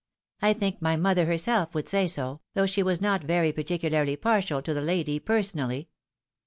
" I think my mother herself would say so, though she was not very parti cularly partial to the lady personally."